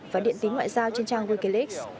và điện tính ngoại giao trên trang wikileaks